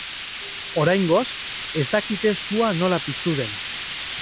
Oraingoz ez dakite sua nola piztu den.